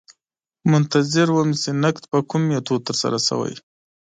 منتظر وم چې نقد په کوم میتود ترسره شوی.